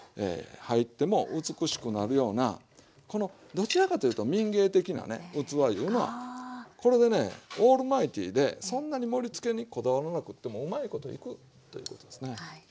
入っても美しくなるようなどちらかというと民芸的な器いうのはこれでねオールマイティーでそんなに盛りつけにこだわらなくってもうまいこといくということですね。